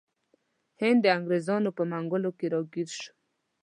هند د انګریزانو په منګولو کې راګیر شو.